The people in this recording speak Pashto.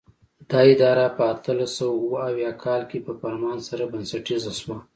دا اداره په اتلس سوه اوه اویا کال کې په فرمان سره بنسټیزه شوه.